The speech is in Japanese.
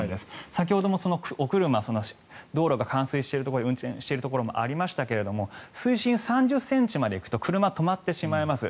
先ほどもお車道路が冠水しているところに運転しているところもありましたが水深３０ｃｍまでいくと車、止まってしまいます。